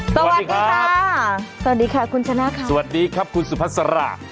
สวัสดีค่ะสวัสดีค่ะคุณชนะค่ะสวัสดีครับคุณสุพัสรา